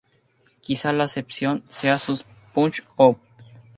Quizá la excepción sea sus "Punch-out!!